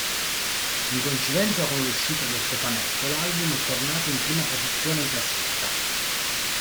In coincidenza con l'uscita del cofanetto, l'album è tornato in prima posizione in classifica.